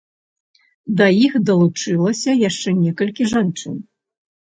Да іх далучылася яшчэ некалькі жанчын.